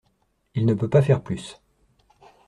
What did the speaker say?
Il ne peut pas faire plus.